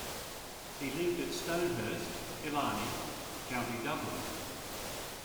He lived at Stonehurst, Killiney, County Dublin.